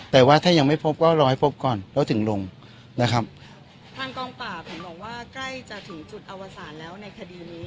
แต่ว่าถ้ายังไม่พบก็รอให้พบก่อนแล้วถึงลงนะครับทางกองปราบเห็นบอกว่าใกล้จะถึงจุดอวสารแล้วในคดีนี้